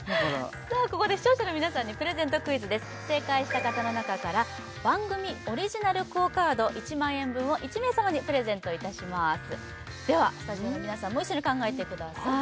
ここで視聴者の皆さんにプレゼントクイズです正解した方の中から番組オリジナルＱＵＯカード１万円分を１名様にプレゼントいたしますではスタジオの皆さんも一緒に考えてください